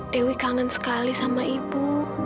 dewi kangen sekali sama ibu